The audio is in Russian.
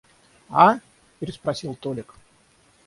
— А? — переспросил Толик.